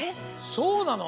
そうなの？